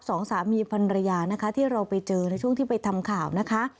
สองสามีพันรยานะคะที่เราไปเจอในช่วงที่ไปทำข่าวนะคะ